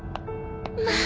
まあ！